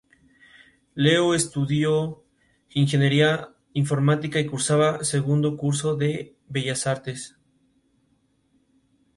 Varió de papel, tipos y orden.